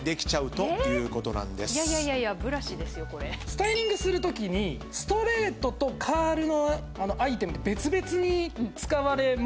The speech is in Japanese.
スタイリングするときにストレートとカールのアイテムって別々に使われますよね。